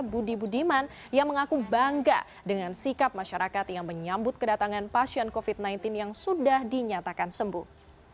budi budiman yang mengaku bangga dengan sikap masyarakat yang menyambut kedatangan pasien covid sembilan belas yang sudah dinyatakan sembuh